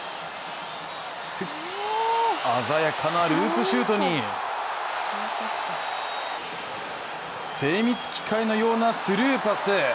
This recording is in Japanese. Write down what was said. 鮮やかなループシュートに精密機械のようなスルーパス！